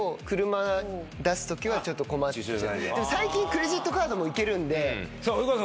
でも最近クレジットカードもいけるんで。